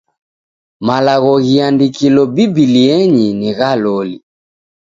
Malagho ghiandikilo Bibilienyi ni gha loli.